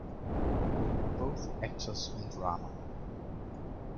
They were both actors in drama.